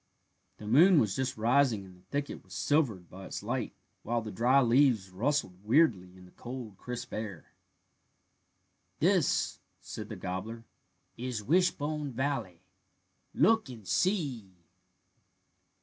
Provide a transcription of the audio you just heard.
The moon was just rising and the thicket was silvered by its light, while the dry leaves rustled weirdly in the cold crisp air. "This," said the gobbler, "is Wishbone Valley. Look and see."